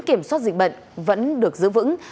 kiểm soát dịch bệnh vẫn được giữ vững